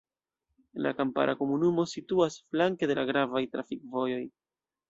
La kampara komunumo situas flanke de la gravaj trafikvojoj.